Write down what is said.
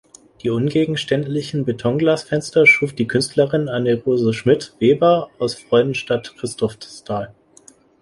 Die ungegenständlichen Betonglasfenster schuf die Künstlerin Annerose Schmidt-Weber aus Freudenstadt-Christophstal.